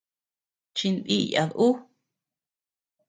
Chindiyad ú.